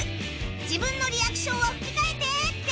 自分のリアクションを吹き替えて！